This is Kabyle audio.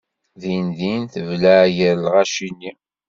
Dindin tebleɛ gar lɣaci-nni.